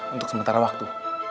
untuk sementara waktu